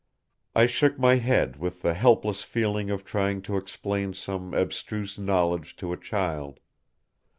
I shook my head with the helpless feeling of trying to explain some abstruse knowledge to a child.